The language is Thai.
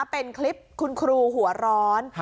เป็นคลิปคุณครูหัวร้อน